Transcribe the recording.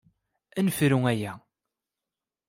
Ad nefru aya.